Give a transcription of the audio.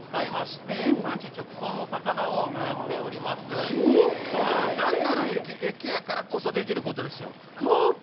しかしだから駅やからこそできる事ですよ。